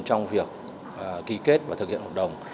trong việc ký kết và thực hiện hợp đồng